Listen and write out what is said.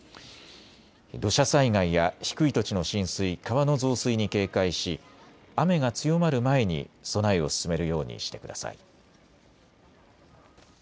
土砂災害や低い土地の浸水、川の増水に警戒し雨が強まる前に備えを進めるようにしてください。